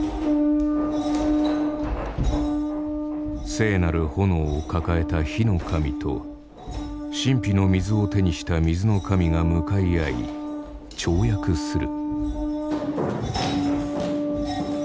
聖なる炎を抱えた火の神と神秘の水を手にした水の神が向かい合い跳躍する。